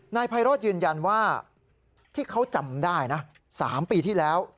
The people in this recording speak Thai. ไพโรธยืนยันว่าที่เขาจำได้นะ๓ปีที่แล้ว